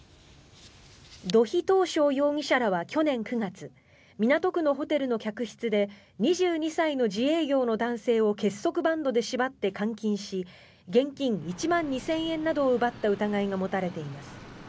土肥斗昌容疑者らは去年９月港区のホテルの客室で２２歳の自営業の男性を結束バンドで縛って監禁し現金１万２０００円などを奪った疑いが持たれています。